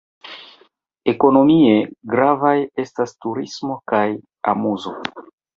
Ekonomie gravaj estas turismo kaj amuzo.